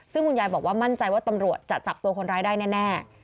ซึ่งคุณยายบอกว่ามั่นใจว่าตำรวจจะจับตัวคนร้ายได้แน่